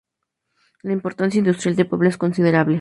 La importancia industrial de Puebla es considerable.